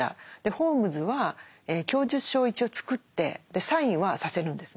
ホームズは供述書を一応作ってサインはさせるんですね。